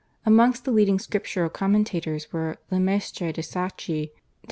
Amongst the leading scriptural commentators were /Le Maistre de Saci/ (d.